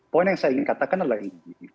poin yang saya ingin katakan adalah ini